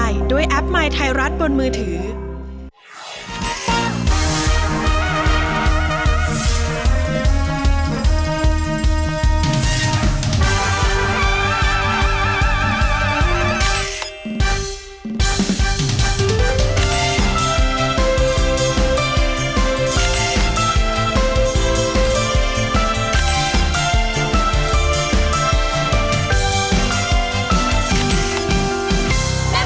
อ๋อมสกาลใจที่สวัสดีค่ะ